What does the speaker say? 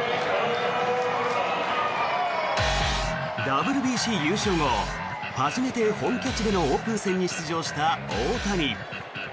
ＷＢＣ優勝後初めて本拠地でのオープン戦に出場した大谷。